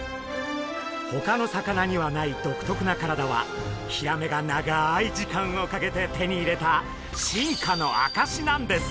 ほかの魚にはない独特な体はヒラメが長い時間をかけて手に入れた進化の証しなんです。